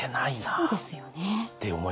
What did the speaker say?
そうですよね。